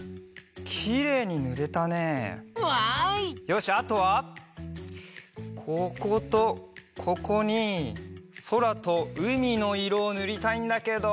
よしあとはこことここにそらとうみのいろをぬりたいんだけど。